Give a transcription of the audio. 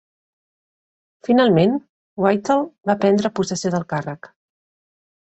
Finalment, Whittall va prendre possessió del càrrec.